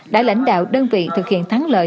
đã lãnh đạo đơn vị thực hiện thắng lợi